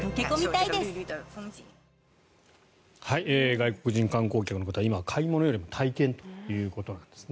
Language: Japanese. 外国人観光客の方今、買い物よりも体験ということなんですね。